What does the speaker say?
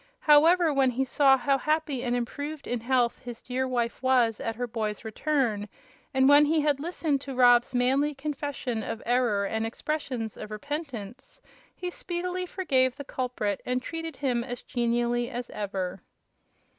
However, when he saw how happy and improved in health his dear wife was at her boy's return, and when he had listened to Rob's manly confession of error and expressions of repentance, he speedily forgave the culprit and treated him as genially as ever.